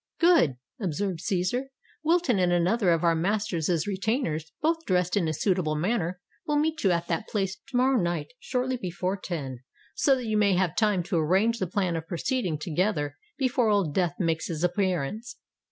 "Good!" observed Cæsar. "Wilton and another of our master's retainers, both dressed in a suitable manner, will meet you at that place to morrow night shortly before ten, so that you may have time to arrange the plan of proceeding together, before Old Death makes his appearance."